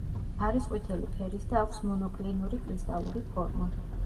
არის ყვითელი ფერის და აქვს მონოკლინური კრისტალური ფორმა.